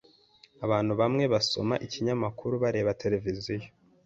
Abantu bamwe basoma ikinyamakuru bareba televiziyo.